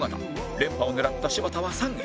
連覇を狙った柴田は３位